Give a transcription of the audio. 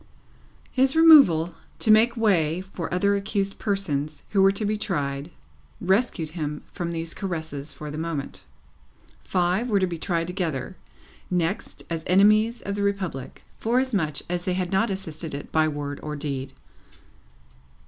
His removal, to make way for other accused persons who were to be tried, rescued him from these caresses for the moment. Five were to be tried together, next, as enemies of the Republic, forasmuch as they had not assisted it by word or deed.